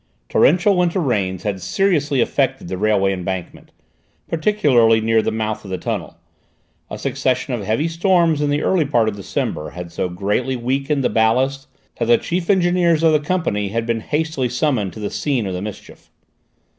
Torrential winter rains had seriously affected the railway embankment, particularly near the mouth of the tunnel; a succession of heavy storms in the early part of December had so greatly weakened the ballast that the chief engineers of the Company had been hastily summoned to the scene of the mischief.